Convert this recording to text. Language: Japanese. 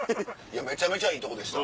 めちゃめちゃいいとこでした。